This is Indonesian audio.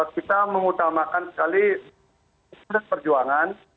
kita mengutamakan sekali perjuangan